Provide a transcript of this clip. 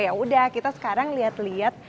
ya udah kita sekarang lihat lihat